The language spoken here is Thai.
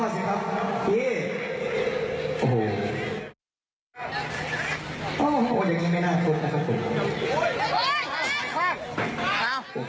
โอ้โหอย่างงี้ไม่น่าทดนะครับผม